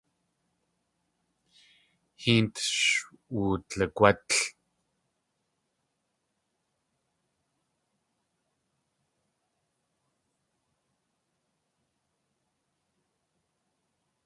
Héent sh wudligwátl.